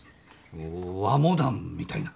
うん和モダンみたいな。